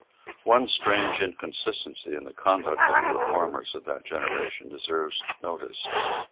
One strange inconsistency in the conduct of the reformers of that generation deserves notice.